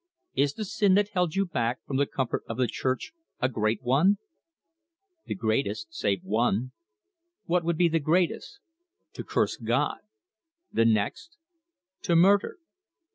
"Is the sin that held you back from the comfort of the Church a great one?" "The greatest, save one." "What would be the greatest?" "To curse God." "The next?" "To murder."